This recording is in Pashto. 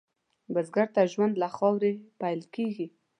بزګر ته ژوند له خاورې پېل کېږي